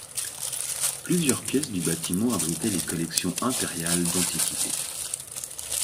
Plusieurs pièces du bâtiment abritaient les collections impériales d'antiquités.